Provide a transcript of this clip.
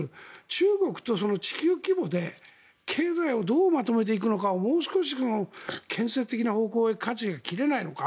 中国と地球規模で経済をどうまとめていくのかをもう少し建設的な方向にかじが切れないのか。